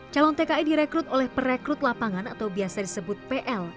calon tki direkrut oleh perekrut lapangan atau biasa disebut pl